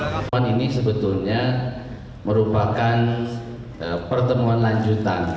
pertemuan ini sebetulnya merupakan pertemuan lanjutan